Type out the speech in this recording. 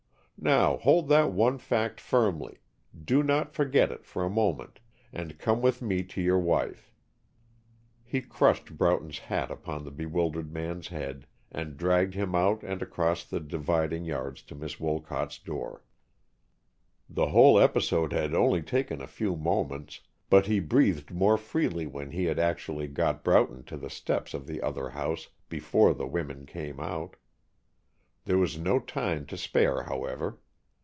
Now hold that one fact firmly, do not forget it for a moment, and come with me to your wife." He crushed Broughton's hat upon the bewildered man's head and dragged him out and across the dividing yards to Miss Wolcott's door. The whole episode had only taken a few moments, but he breathed more freely when he had actually got Broughton to the steps of the other house before the women came out. There was no time to spare, however.